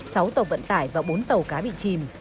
sáu tàu vận tải và bốn tàu cá bị chìm